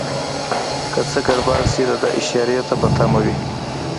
که څه ګړبړ شي دده اشارې ته په تمه وي.